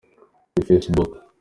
kuri Facebook.